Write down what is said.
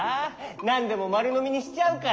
なんでもまるのみにしちゃうから。